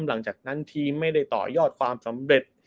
หลังจากนั้นทีมไม่ได้ต่อยอดความสำเร็จ